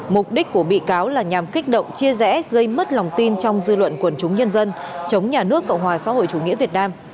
mục đích của bị cáo là nhằm kích động chia rẽ gây mất lòng tin trong dư luận quần chúng nhân dân chống nhà nước cộng hòa xã hội chủ nghĩa việt nam